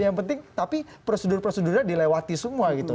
yang penting tapi prosedur prosedurnya dilewati semua gitu